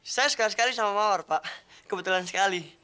saya sekali sekali sama mawar pak kebetulan sekali